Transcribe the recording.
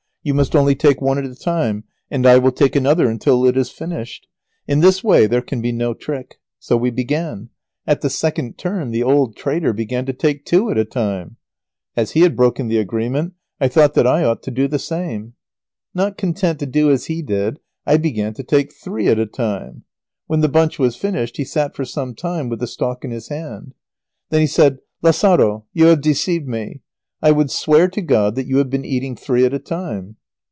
You must only take one at a time, and I will take another until it is finished. In this way there can be no trick." So we began. At the second turn the old traitor began to take two at a time. As he had broken the agreement I thought that I ought to do the same. Not content to do as he did, I began to take three at a time. When the bunch was finished, he sat for some time with the stalk in his hand. [Sidenote: An example of the blind man's cleverness.] Then he said, "Lazaro, you have deceived me. I would swear to God that you have been eating three at a time."